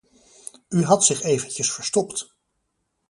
U had zich eventjes verstopt.